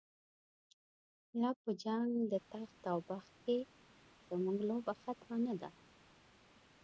لاپه جنګ دتخت اوبخت کی، زموږ لوبه ختمه نه ده